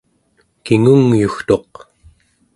kingungyugtuq